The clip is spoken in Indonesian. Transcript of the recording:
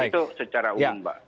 itu secara umum mbak